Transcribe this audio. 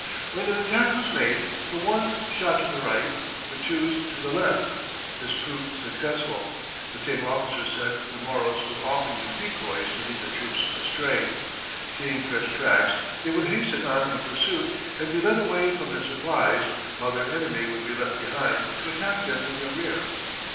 When an attack was made, the "ones" shot to the right, the "twos" to the left. This proved successful. The same officer said the Moros would often use decoys to lead the troops astray. Seeing fresh tracks, they would hasten on in pursuit, and be led away from their supplies, while their enemy would be left behind to attack them in the rear.